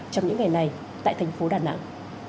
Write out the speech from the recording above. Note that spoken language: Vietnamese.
trong những ngày này tại thành phố đà nẵng